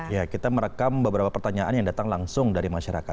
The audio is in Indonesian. ya kita merekam beberapa pertanyaan yang datang langsung dari masyarakat